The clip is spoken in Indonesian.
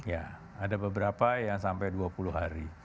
ya ada beberapa yang sampai dua puluh hari